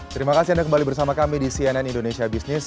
terima kasih anda kembali bersama kami di cnn indonesia business